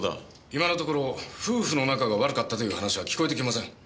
今のところ夫婦の仲が悪かったという話は聞こえてきません。